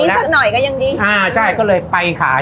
สักหน่อยก็ยังดีอ่าใช่ก็เลยไปขาย